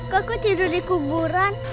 kok tidur di kuburan